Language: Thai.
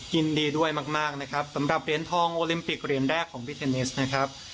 ยินดีด้วยมากนะครับสำหรับเหรียญทองโอลิมปิกเหรียญแรกของพี่เทนนิสนะครับ